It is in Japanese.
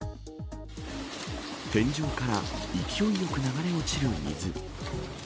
天井から勢いよく流れ落ちる水。